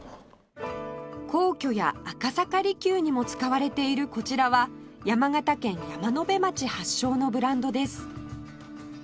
皇居や赤坂離宮にも使われているこちらは山形県山辺町発祥のブランドです